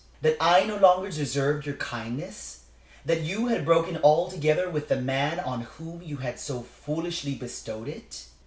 That I no longer deserved your kindness that you had broken altogether with the man on whom you had so foolishly bestowed it?